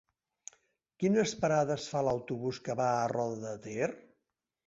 Quines parades fa l'autobús que va a Roda de Ter?